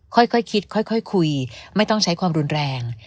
ค่อยคิดค่อยคุยไม่ต้องใช้ความรุนแรง